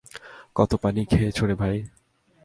কত পানি খেয়েছো রে ভাই?